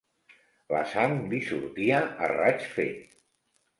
La sang li sortia a raig fet.